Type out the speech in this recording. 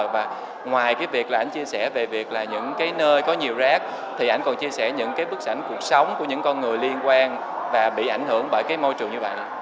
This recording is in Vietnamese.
và ngoài cái việc là anh chia sẻ về việc là những cái nơi có nhiều rác thì ảnh còn chia sẻ những cái bức ảnh cuộc sống của những con người liên quan và bị ảnh hưởng bởi cái môi trường như vậy